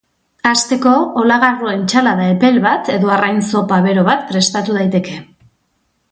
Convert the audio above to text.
Hasteko, olagarro entsalada epel bat edo arrain zopa bero bat prestatu daiteke.